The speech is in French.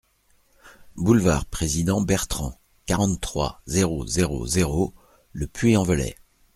Boulevard Président Bertrand, quarante-trois, zéro zéro zéro Le Puy-en-Velay